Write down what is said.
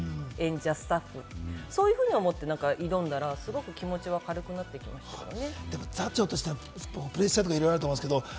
演者スタッフ、そういうふうに思って挑んだら、すごく気持ちは軽くなってきましたよね。